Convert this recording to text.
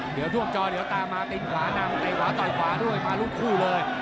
เดี๋ยวช่วงจอเดี๋ยวตามมาตินขวานำตีขวาต่อยขวาด้วยมาทุกคู่เลย